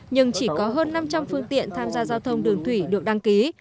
nhưng chỉ có hơn năm trăm linh phương tiện tham gia giao thông đường thủy được đăng ký